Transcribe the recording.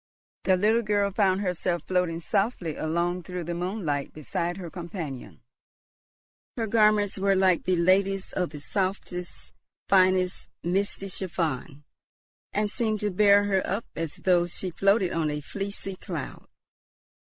The little girl found herself floating softly along through the moonlight beside her companion. Her garments were like the lady's, of the softest, finest, misty chiffon, and seemed to bear her up as though she floated on a fleecy cloud.